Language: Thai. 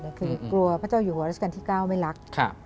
ก็กลัวพระเจ้าอยู่หัวรัชกัณฑ์ที่๙ไม่รัก